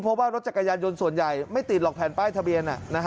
เพราะว่ารถจักรยานยนต์ส่วนใหญ่ไม่ติดหรอกแผ่นป้ายทะเบียน